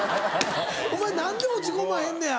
お前何で落ち込まへんねや？